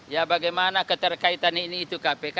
ya bagaimana keterkaitan ini itu kpk